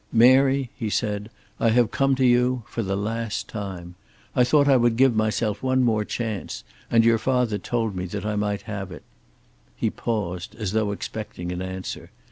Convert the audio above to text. "Mary," he said, "I have come to you, for the last time. I thought I would give myself one more chance, and your father told me that I might have it." He paused, as though expecting an answer.